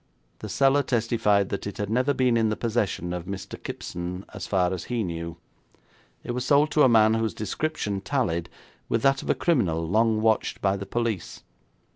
The seller testified that it had never been in the possession of Mr Kipson, as far as he knew. It was sold to a man whose description tallied with that of a criminal long watched by the police.